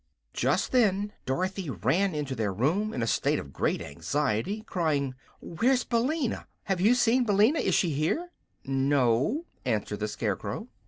Just then Dorothy ran into their room, in a state of great anxiety, crying: "Where's Billina? Have you seen Billina? Is she here?" "No," answered the Scarecrow.